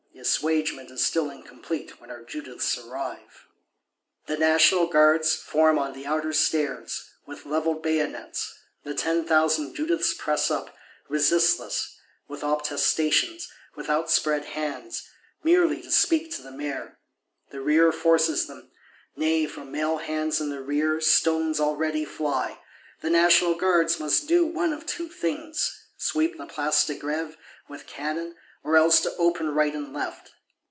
The assuagement is still incomplete when our Judiths arrive. The National Guards form on the outer stairs, with levelled bayonets; the ten thousand Judiths press up, resistless; with obtestations, with outspread hands,—merely to speak to the Mayor. The rear forces them; nay, from male hands in the rear, stones already fly: the National Guards must do one of two things; sweep the Place de Grève with cannon, or else open to right and left.